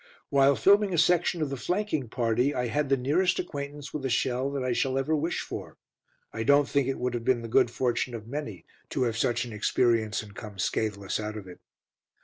While filming a section of the flanking party, I had the nearest acquaintance with a shell that I shall ever wish for. I don't think it would have been the good fortune of many to have such an experience and come scathless out of it.